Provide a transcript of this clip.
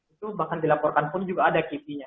itu bahkan dilaporkan pun juga ada kipi nya